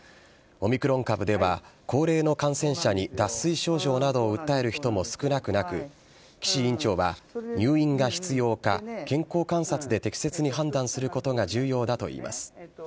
オミクロン株では、高齢の感染者に脱水症状などを訴える人も少なくなく岸院長は、入院が必要か、健康観察で適切に判断することが重要だといいます。